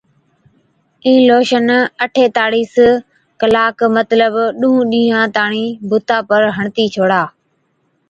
اِين لوشن اَٺيتاڙِيس ڪلاڪ مطلب ڏُونه ڏِينهان تاڻِين بُتا پر هڻتِي ڇوڙا